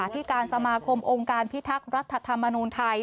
ที่การสมาคมองค์การพิทักษ์รัฐธรรมนูลไทย